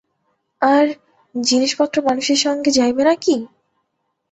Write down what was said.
আর, জিনিসপত্র মানুষের সঙ্গে যাইবে না কি।